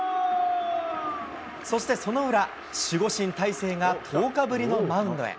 そしてその裏、守護神、大勢が１０日ぶりのマウンドへ。